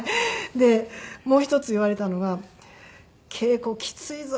でもう一つ言われたのが「稽古きついぞ！」